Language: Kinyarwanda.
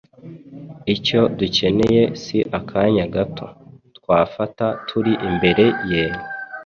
Icyo dukeneye si akanya gato twafata turi imbere ye,